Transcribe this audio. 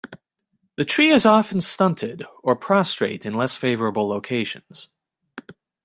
The tree is often stunted or prostrate in less favorable locations.